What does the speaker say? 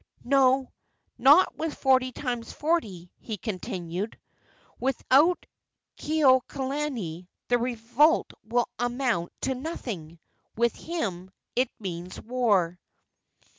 "No, not with forty times forty!" he continued. "Without Kekuaokalani the revolt will amount to nothing; with him, it means war."